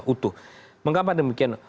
utuh mengapa demikian